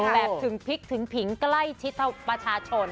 แบบถึงภิกษ์ถึงผิงใกล้ชิดเท่าประชาชน